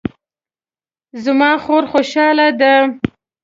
زما خور خوشحاله ده